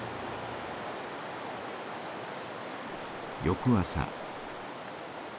翌朝。